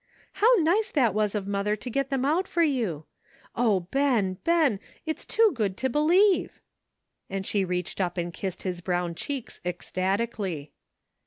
How nice that was of mother to get them out for you. O, Ben, Ben ! it's too good to be lieve," and she reached up and kissed his brown cheeks ecstatically.